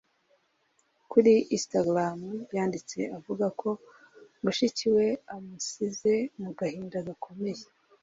Kuri Instagram yanditse avuga ko mushiki we amusize mu gahinda gakomeye